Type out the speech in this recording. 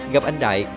gặp anh đại